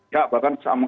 ya bahkan sama